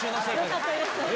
よかったです！